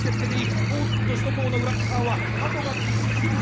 おっと首都高の裏っ側はハトがびっしりだ。